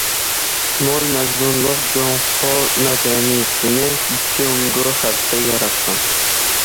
مول مەزمۇنلۇق جۇڭخۇا مەدەنىيىتىنى جۇڭگو خەلقى ياراتقان!